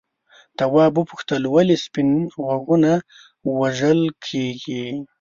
تواب وپوښتل ولې سپین غوږونه وژل کیږي.